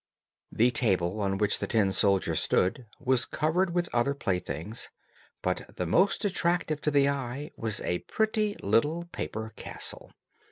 The table on which the tin soldiers stood, was covered with other playthings, but the most attractive to the eye was a pretty little paper castle.